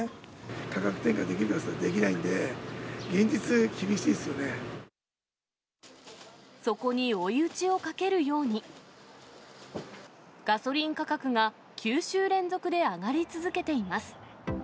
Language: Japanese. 価格転嫁できるかといったら、できないんで、現実、厳しいですそこに追い打ちをかけるように、ガソリン価格が９週連続で上がり続けています。